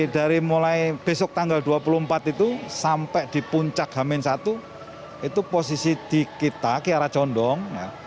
dari mulai besok tanggal dua puluh empat itu sampai di puncak hamin satu itu posisi di kita kiara condong